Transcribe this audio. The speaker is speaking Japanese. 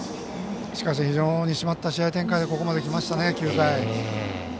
しかし非常に締まった試合展開でここまで来ましたね、９回。